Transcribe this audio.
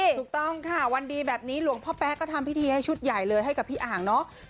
ถูกต้องค่ะวันดีแบบนี้หลวงพ่อแป๊ก็ทำพิธีให้ชุดใหญ่เลยให้กับพี่อ่างเนาะ